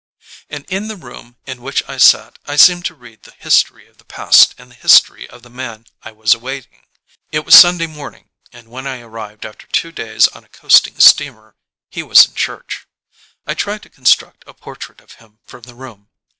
And in the room in which I sat I seemed to read the history of the past and the history of the man I was awaiting. It was Sunday morning and when I arrived after two days on a coasting steamer, he was in church. I tried to construct a portrait of him from the room.